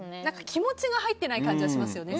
気持ちが入ってない感じがしますよね。